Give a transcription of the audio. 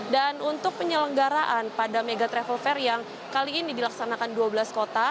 dan untuk penyelenggaraan pada mega travel fair yang kali ini dilaksanakan dua belas kota